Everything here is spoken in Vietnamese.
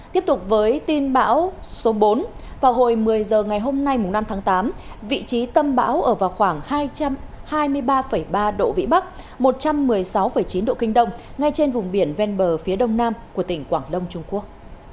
tiếp tục với tin bão số bốn vào hồi một mươi h ngày hôm nay năm tháng tám vị trí tâm bão ở vào khoảng hai trăm hai mươi ba ba độ vĩ bắc một trăm một mươi sáu chín độ kinh đông ngay trên vùng biển ven bờ phía đông nam của tỉnh quảng đông trung quốc